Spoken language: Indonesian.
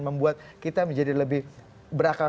membuat kita menjadi lebih berakal